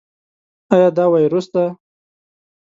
ایا دا وایروس دی؟